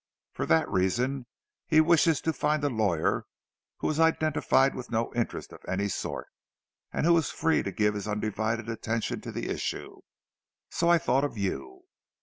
For that reason, he wished to find a lawyer who was identified with no interest of any sort, and who was free to give his undivided attention to the issue. So I thought of you."